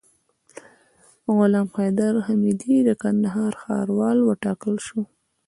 غلام حیدر حمیدي د کندهار ښاروال وټاکل سو